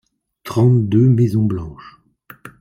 trente deux maisons blanches.